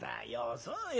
そうよ